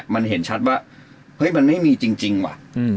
มันเห็นชัดว่าเฮ้ยมันไม่มีจริงว่ะ